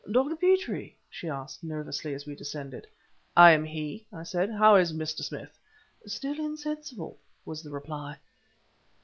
"Doctor Petrie?" she asked, nervously, as we descended. "I am he," I said. "How is Mr. Smith?" "Still insensible," was the reply.